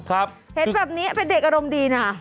เห็นแบบนี้เป็นเด็กอารมณ์ดีนะ